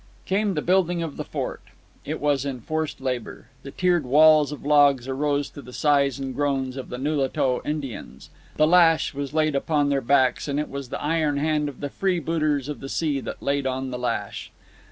Came the building of the fort. It was enforced labour. The tiered walls of logs arose to the sighs and groans of the Nulato Indians. The lash was laid upon their backs, and it was the iron hand of the freebooters of the sea that laid on the lash.